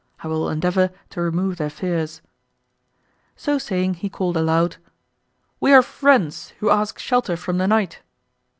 I will endeavour to remove their fears." So saying, he called aloud, "We are friends, who ask shelter from the night."